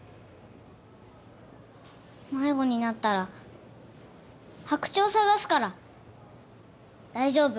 迷子になったら白鳥探すから大丈夫。